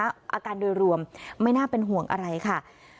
อาการโดยรวมไม่น่าเป็นห่วงอะไรค่ะ